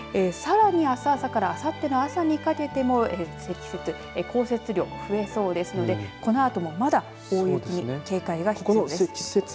さらにあす朝からあさっての朝にかけても積雪、降雪量、増えそうですのでこのあともまだ、大雪に警戒が必要です。